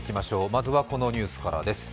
まずはこのニュースからです。